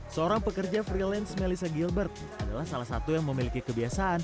seorang pekerja freelance melissa gilbert adalah salah satu yang memiliki kebiasaan